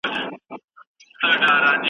په افغانستان کي باید د قانون واکمني وي.